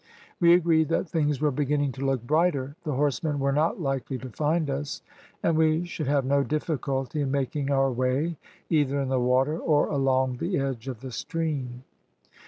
We agreed that things were beginning to look brighter, the horsemen were not likely to find us, and we should have no difficulty in making our way either in the water, or along the edge of the stream.